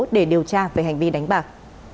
để điều tra về hành vi đánh bạc